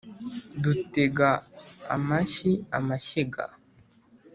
Dutega amashyi amashyiga